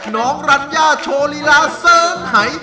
น้องลันย่าโชลีลาเสิร์มหาย